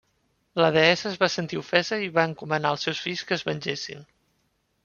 La deessa es va sentir ofesa i encomanà als seus fills que es vengessin.